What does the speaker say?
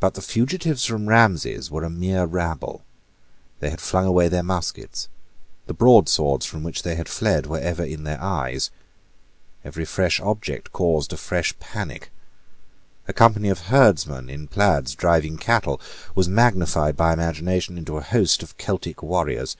But the fugitives from Ramsay's were a mere rabble. They had flung away their muskets. The broadswords from which they had fled were ever in their eyes. Every fresh object caused a fresh panic. A company of herdsmen in plaids driving cattle was magnified by imagination into a host of Celtic warriors.